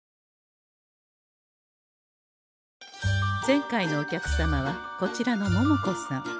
前回のお客様はこちらの桃子さん。